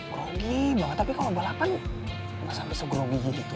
grogi banget tapi kalo balapan gak sampe se grogi gitu